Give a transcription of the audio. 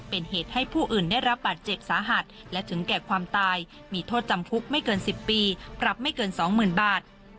เป็นเหตุให้ผู้อื่นได้รับบาดเจ็บสาหัสและถึงแก่ความตายมีโทษจำคุกไม่เกิน๑๐ปีปรับไม่เกิน๒๐๐๐บาท